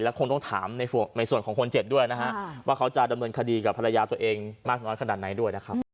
คงต้องถามในส่วนของคนเจ็บด้วยนะฮะว่าเขาจะดำเนินคดีกับภรรยาตัวเองมากน้อยขนาดไหนด้วยนะครับ